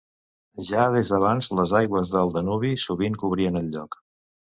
Ja des d'abans les aigües del Danubi sovint cobrien el lloc.